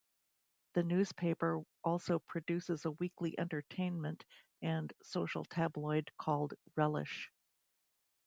The newspaper also produces a weekly entertainment and social tabloid called "Relish".